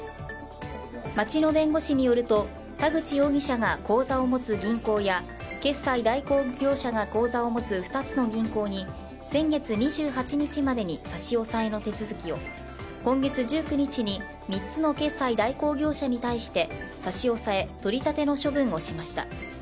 町の弁護士によると、田口容疑者が口座を持つ銀行や決済代行業者が口座を持つ２つの銀行に先月２８日までに差し押さえの手続きを、今月１９日に３つの決済代行業者に対して差し押さえ、取り立ての処分をしました。